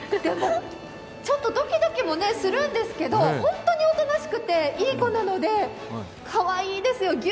でもドキドキもするんですけど、本当におとなしくていい子なので、かわいいですよ。